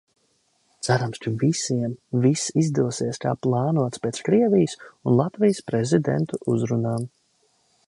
Cerams, ka visiem viss izdosies kā plānots pēc Krievijas un Latvijas prezidentu uzrunām.